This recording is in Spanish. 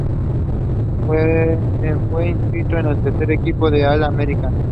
En fue incluido en el tercer equipo All-American.